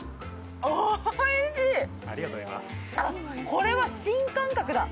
これは新感覚だ。